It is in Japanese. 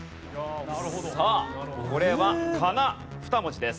さあこれはかな２文字です。